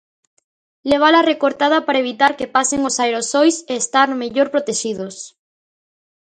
Levala recortada para evitar que pasen os aerosois e estar mellor protexidos.